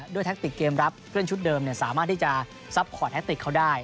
แท็กติกเกมรับเพื่อนชุดเดิมสามารถที่จะซัพพอร์ตแทคติกเขาได้